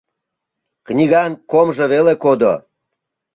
Книган комжо веле кодо.